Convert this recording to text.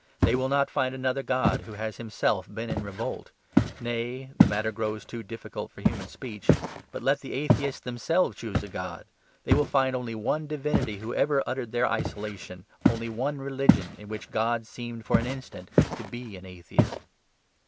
They will not find another god who has himself been in revolt. Nay, (the matter grows too difficult for human speech,) but let the atheists themselves choose a god. They will find only one divinity who ever uttered their isolation; only one religion in which God seemed for an instant to be an atheist.